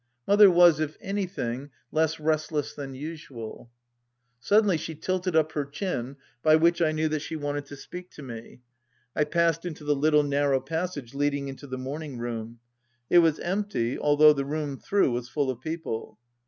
Mother was, if anything, less restless than usual. Suddenly she tilted up her chin, by which I knew that she wanted to speak to me. I passed into the little narrow passage leading into the morning room. It was empty, al though the room through was full of people.